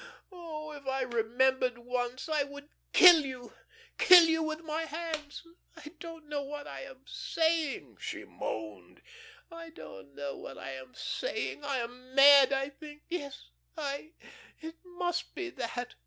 Oh, if I remembered once, I would kill you, kill you with my hands! I don't know what I am saying," she moaned, "I don't know what I am saying. I am mad, I think. Yes I it must be that."